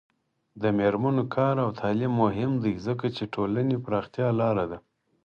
د میرمنو کار او تعلیم مهم دی ځکه چې ټولنې پراختیا لاره ده.